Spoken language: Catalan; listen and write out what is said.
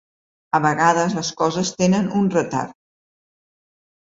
A vegades les coses tenen un retard.